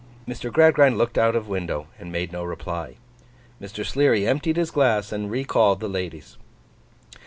Mr. Gradgrind looked out of window, and made no reply. Mr. Sleary emptied his glass and recalled the ladies.